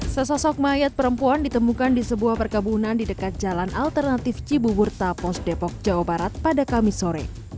sesosok mayat perempuan ditemukan di sebuah perkebunan di dekat jalan alternatif cibubur tapos depok jawa barat pada kamis sore